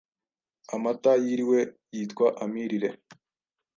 Amata yiriwe yitwa Amirire